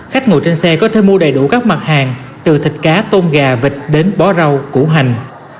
khách ngồi trên xe có thể mua đầy đủ các mặt hàng từ thịt cá tôm gà vịt đến bó rau củ hành